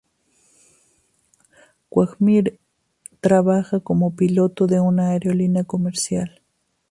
Quagmire trabaja como piloto de una aerolínea comercial.